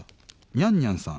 にゃんにゃんさん